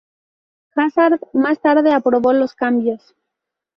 Hazard, más tarde, aprobó los cambios.